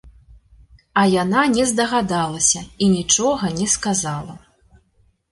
А яна не здагадалася і нічога не сказала.